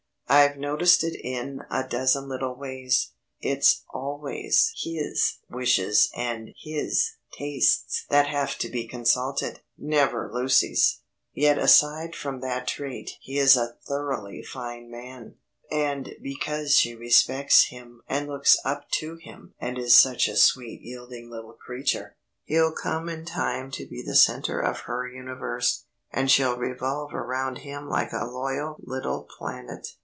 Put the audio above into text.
"I've noticed it in a dozen little ways. It's always his wishes and his tastes that have to be consulted, never Lucy's. Yet aside from that trait he is a thoroughly fine man, and because she respects him and looks up to him and is such a sweet yielding little creature, he'll come in time to be the centre of her universe, and she'll revolve around him like a loyal little planet.